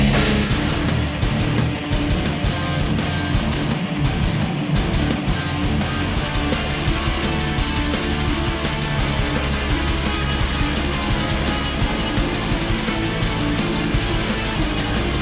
jangan jangan jangan